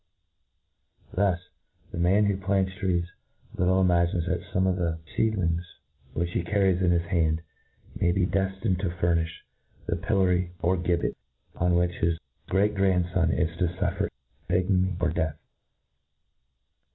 Thus, the man who plants trees little imagines that fome one of the fcedlings which he . parries in his hand, may be deftined to fumifli the pillory or gibbet, on which his great grand fon is to fuffcr ignominy or death.